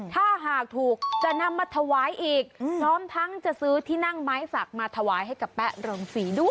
ถ้าหากถูกจะนำมาถวายอีกพร้อมทั้งจะซื้อที่นั่งไม้สักมาถวายให้กับแป๊ะโรงศรีด้วย